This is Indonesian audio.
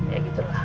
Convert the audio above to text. ya gitu lah